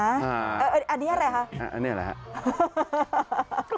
อันนี้อะไรคะอันนี้อะไรคะ